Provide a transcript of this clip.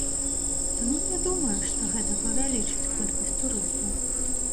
Таму не думаю, што гэта павялічыць колькасць турыстаў.